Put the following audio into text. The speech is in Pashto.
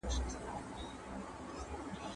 سياست بايد د ولس په ګټه وي.